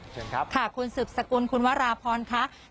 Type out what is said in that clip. เชิญครับค่ะคุณสืบสกุลคุณวราพรค่ะ